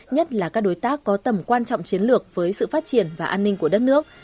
nhất là các đối tác có tầm quan trọng chiến lược với sự phát triển và an ninh của đất nước